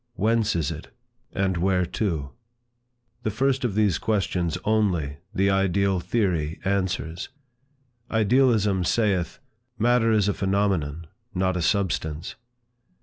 Whence is it? and Whereto? The first of these questions only, the ideal theory answers. Idealism saith: matter is a phenomenon, not a substance.